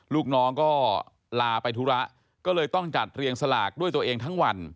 ลูกน้องก็ลาไปธุระก็เลยต้องจัดเรียงสลากด้วยตัวเองทั้งวัน